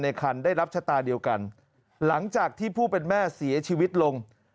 คันได้รับชะตาเดียวกันหลังจากที่ผู้เป็นแม่เสียชีวิตลง